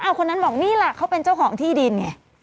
คนนั้นบอกนี่แหละเขาเป็นเจ้าของที่ดินไง